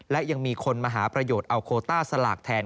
และยังมีคนมาหาประโยชน์เอาโคต้าสลากแทน